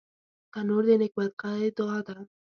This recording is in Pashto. تنور د نیکبختۍ دعا ده